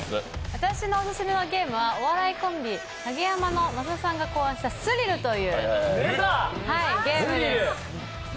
私のオススメのゲームは、お笑いコンビのカゲヤマ・益田さんが考案した「スリル」というゲームです。